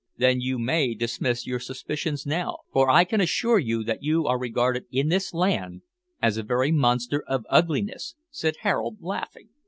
"Then you may dismiss your suspicions now, for I can assure you that you are regarded in this land as a very monster of ugliness," said Harold, laughing.